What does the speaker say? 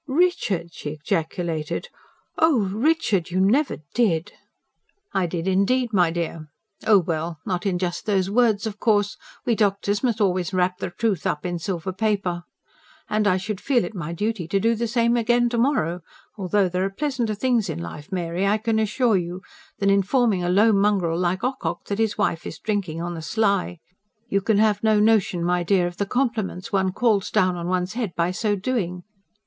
"Richard!" she ejaculated. "Oh, Richard, you never did!" "I did indeed, my dear. Oh well, not in just those words, of course; we doctors must always wrap the truth up in silver paper. And I should feel it my duty to do the same again to morrow; though there are pleasanter things in life, Mary, I can assure you, than informing a low mongrel like Ocock that his wife is drinking on the sly. You can have no notion, my dear, of the compliments one calls down on one's head by so doing.